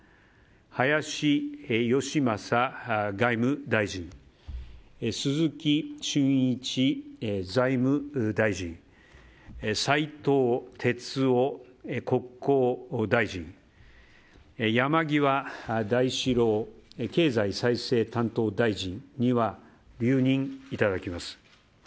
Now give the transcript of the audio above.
林芳正外務大臣鈴木俊一財務大臣斉藤鉄夫国交大臣山際大志郎経済再生担当大臣には留任いただきます。